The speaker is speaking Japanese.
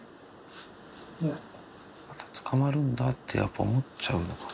捕まるんだってやっぱ思っちゃうのかな。